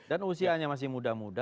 dan usianya masih muda muda